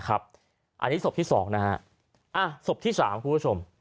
อันนี้ศพที่สองศพที่สามคุณผู้ชม